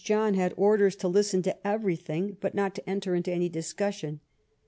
69 John) had orders to listen to everything, but not to enter into any discussion.